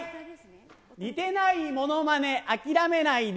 似てないものまね諦めないで。